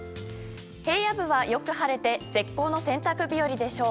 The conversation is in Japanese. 平野部はよく晴れて絶好の洗濯日和でしょう。